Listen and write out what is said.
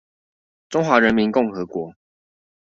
中華人民共和國